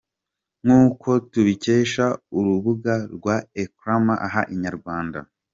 Nk’uko tubikesha urubuga rwa Elcrema aha Inyarwanda.